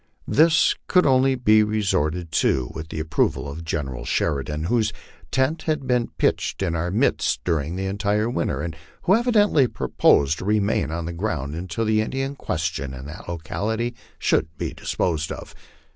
This could only be resorted to with the approval of General Sheridan, whose tent had been pitched in our midst during the entire winter, and who evidently proposed to remain on the ground until the Indian question in that locality should be disposed of.